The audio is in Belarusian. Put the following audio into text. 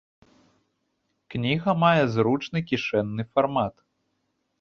Кніга мае зручны кішэнны фармат.